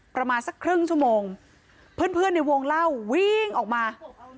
ประมาณสักครึ่งชั่วโมงเพื่อนเพื่อนในวงเล่าวิ่งออกมา